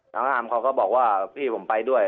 น้องอาร์มเขาก็บอกว่าพี่ผมไปด้วย